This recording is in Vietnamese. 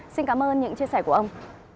xin cảm ơn những chia sẻ của ông